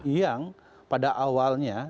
yang pada awalnya